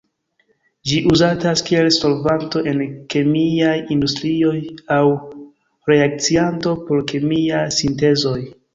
Ĝi uzatas kiel solvanto en kemiaj industrioj aŭ reakcianto por kemiaj sintezoj.